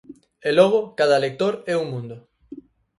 E logo, cada lector é un mundo.